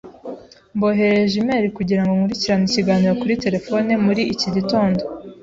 Mboherereje imeri kugirango nkurikirane ikiganiro kuri terefone muri iki gitondo.